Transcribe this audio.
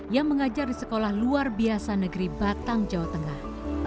yang mengajar di sekolah luar biasa negeri batang jawa tengah